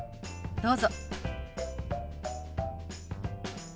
どうぞ。